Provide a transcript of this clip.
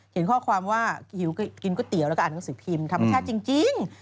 เห็นข้อความว่าหิวกินก๋วยเตี๋ยวแล้วก็อ่านหนังสือพิมพ์ธรรมชาติจริง